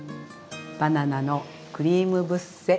バナナのクリームブッセ。